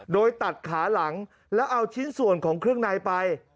โดยตัดขาหลังแล้วเอาชิ้นส่วนของเครื่องในไป